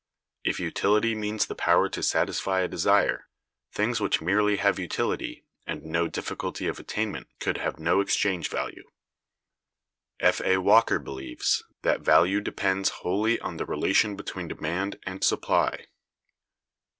If utility means the power to satisfy a desire, things which merely have utility and no difficulty of attainment could have no exchange value.(200) F. A. Walker(201) believes that "value depends wholly on the relation between demand and supply."